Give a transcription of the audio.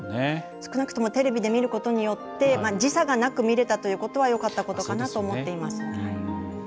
少なくともテレビで見ることによって時差がなく見れたということはよかったことかなと思っています。